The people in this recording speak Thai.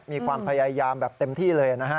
มีความพยายามแบบเต็มที่เลยนะฮะ